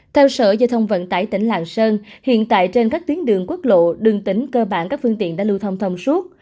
theo sở giao thông vận tải tỉnh lạng sơn hiện tại trên các tuyến đường quốc lộ đường tỉnh cơ bản các phương tiện đã lưu thông thông suốt